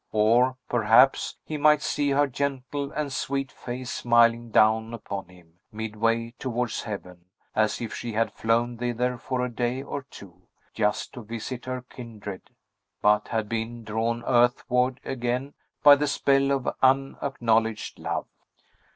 Or, perhaps, he might see her gentle and sweet face smiling down upon him, midway towards heaven, as if she had flown thither for a day or two, just to visit her kindred, but had been drawn earthward again by the spell of unacknowledged love.